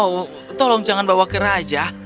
oh tolong jangan bawa ke raja